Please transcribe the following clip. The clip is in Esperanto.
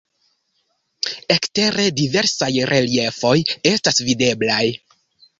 Ekstere diversaj reliefoj estas videblaj.